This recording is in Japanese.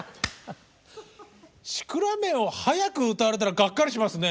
「シクラメン」を早く歌われたらがっかりしますね。